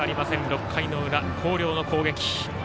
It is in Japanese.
６回の裏広陵の攻撃。